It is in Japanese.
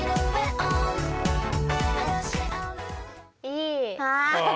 いい。